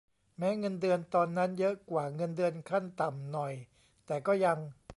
แม้เงินเดือนตอนนั้นเยอะกว่าเงินเดือนขั้นต่ำหน่อยแต่ก็ยัง